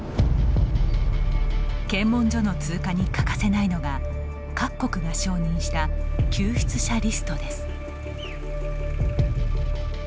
検問所の通過に欠かせないのが各国が承認した救出者リストです。